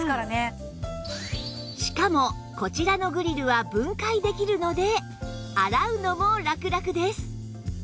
しかもこちらのグリルは分解できるので洗うのもラクラクです